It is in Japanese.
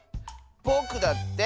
ぼくだって！